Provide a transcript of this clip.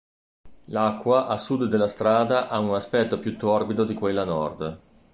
L'acqua a sud della strada ha un aspetto più torbido di quella a nord.